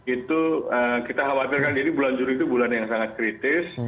itu kita khawatirkan jadi bulan juli itu bulan yang sangat kritis